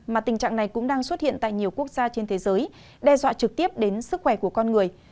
mà tình trạng này cũng đang xuất hiện tại nhiều quốc gia trên thế giới đe dọa trực tiếp đến sức khỏe của con người